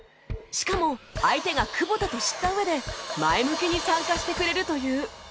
しかも相手が久保田と知ったうえで前向きに参加してくれるという